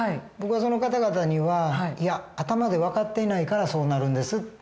僕はその方々にはいや頭で分かっていないからそうなるんです。